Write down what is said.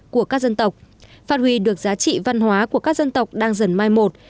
của các dân tộc phát huy được giá trị văn hóa của các dân tộc đang dần mai một